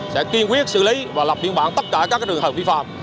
sẽ kiên quyết xử lý và lập biên bản tất cả các trường hợp vi phạm